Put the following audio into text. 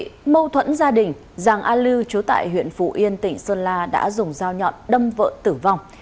thưa quý vị mâu thuẫn gia đình giàng a lư chú tại huyện phụ yên tỉnh sơn la đã dùng dao nhọn đâm vợ tử vong